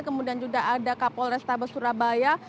kemudian juga ada kapol restabes surabaya